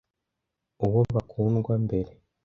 uwo bakundwa mbere